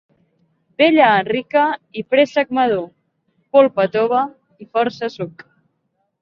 Vella rica i préssec madur, polpa tova i força suc.